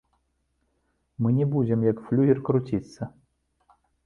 Мы не будзем як флюгер круціцца.